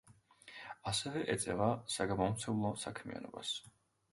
ასევე ეწევა საგამომცემლო საქმიანობას.